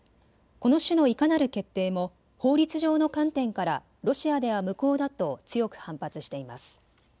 この種のいかなる決定も法律上の観点からロシアでは無効だと強く反発しています。